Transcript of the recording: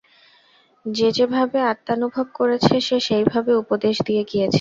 যে যে-ভাবে আত্মানুভব করেছে, সে সেইভাবে উপদেশ দিয়ে গিয়েছে।